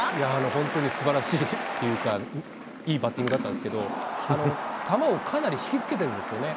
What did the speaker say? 本当にすばらしいっていうか、いいバッティングだったんですけど、球をかなり引きつけてるんですね。